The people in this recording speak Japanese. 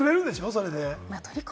それで。